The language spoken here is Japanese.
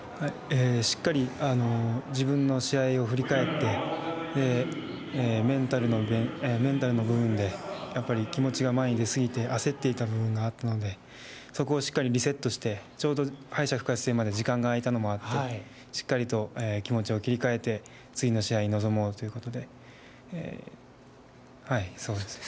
しっかり、自分の試合を振り返って、メンタルの部分で、やっぱり気持ちが前に出過ぎて、焦っていた部分があったので、そこをしっかりリセットして、ちょうど敗者復活戦まで時間が空いたのもあって、しっかりと気持ちを切り替えて、次の試合に臨もうということで、そうです。